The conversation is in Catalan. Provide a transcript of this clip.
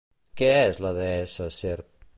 Què és la deessa serp?